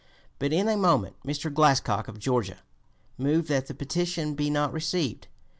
But in a moment Mr. Glascock, of Georgia, moved that the petition be not received.